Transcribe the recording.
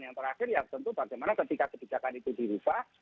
yang terakhir ya tentu bagaimana ketika kebijakan itu dirubah